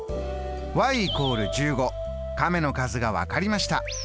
亀の数が分かりました。